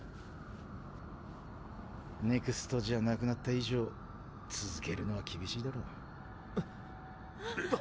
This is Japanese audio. ＮＥＸＴじゃなくなった以上続けるのは厳しいだろう。っ！